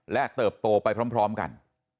และเติบโตไปพร้อมกัน